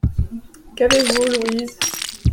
Qu’avez-vous, Louise ?